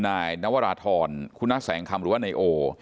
นายนวราธรคุณศักดิ์แสงคำหรือว่าไนโอ